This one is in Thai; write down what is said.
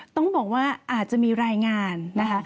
ต้องบอกว่าอาจจะมีรายงานนะคะ